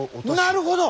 なるほど！